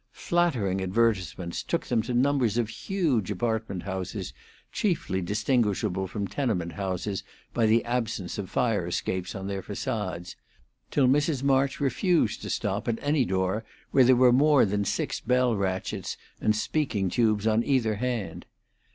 Flattering advertisements took them to numbers of huge apartment houses chiefly distinguishable from tenement houses by the absence of fire escapes on their facades, till Mrs. March refused to stop at any door where there were more than six bell ratchets and speaking tubes on either hand.